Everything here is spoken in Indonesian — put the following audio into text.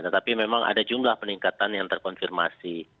tetapi memang ada jumlah peningkatan yang terkonfirmasi